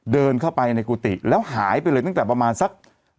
เดินเข้าไปในกุฏิแล้วหายไปเลยตั้งแต่ประมาณสัก